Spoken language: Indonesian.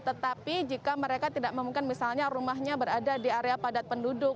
tetapi jika mereka tidak memungkinkan misalnya rumahnya berada di area padat penduduk